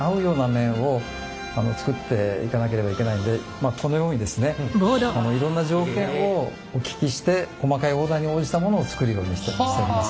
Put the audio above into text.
まあこのようにですねいろんな条件をお聞きして細かいオーダーに応じたものを作るようにしております。